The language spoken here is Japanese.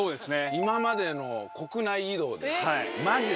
今までの国内移動でマジで。